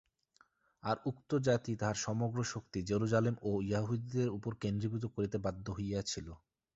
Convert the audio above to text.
আর উক্ত জাতি তাহার সমগ্র শক্তি জেরুজালেম ও য়াহুদীধর্মের উপর কেন্দ্রীভূত করিতে বাধ্য হইয়াছিল।